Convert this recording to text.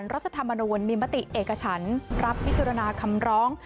องค์คณะตุลาการสารรัฐธรรมนูญมิมติเอกฉันรับวิจารณาคำร้อง